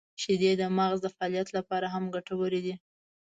• شیدې د مغز د فعالیت لپاره هم ګټورې دي.